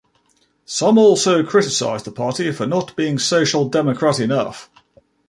Some also criticize the party for not being social democratic enough.